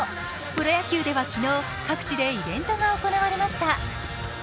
プロ野球では昨日各地でイベントが行われました。